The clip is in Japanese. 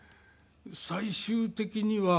最終的には。